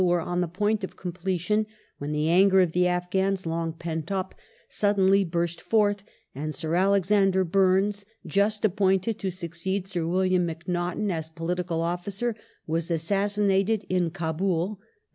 270 GROWTH OF THE BRITISH POWER IN LNDIA [1740 on the point of completion when the anger of the Afghans, long pent up, suddenly burst forth,^ and Sir Alexander Bumes, just appointed to succeed Sir William Macnaghten as Political Officer, was assassinated in Kabul (Nov.